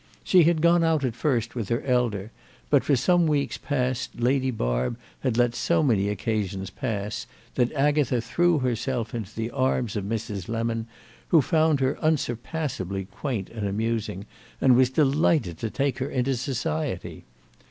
She had gone out at first with her elder; but for some weeks past Lady Barb had let so many occasions pass that Agatha threw herself into the arms of Mrs. Lemon, who found her unsurpassably quaint and amusing and was delighted to take her into society.